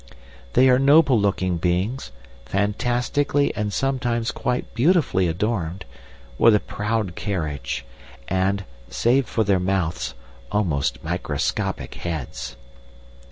They are noble looking beings, fantastically and sometimes quite beautifully adorned, with a proud carriage, and, save for their mouths, almost microscopic heads.